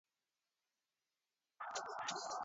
Woodblock artists began tattooing.